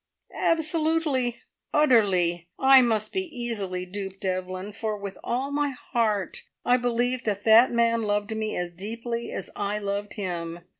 "Absolutely! Utterly! I must be easily duped, Evelyn, for with all my heart I believed that that man loved me as deeply as I loved him.